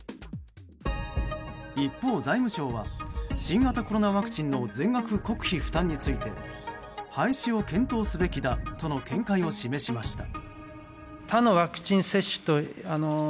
一方、財務省は新型コロナワクチンの全額国費負担について廃止を検討すべきだとの見解を示しました。